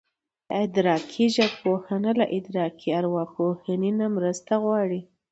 ادراکي ژبپوهنه له ادراکي ارواپوهنې نه مرسته غواړي